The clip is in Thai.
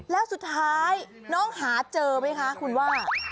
แล้วสุดท้ายน้องหาเจอไหมคะคุณว่า